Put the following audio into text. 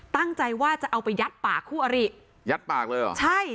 ตั้งใจว่าจะเอาไปยัดปากคู่อริยัดปากเลยเหรอใช่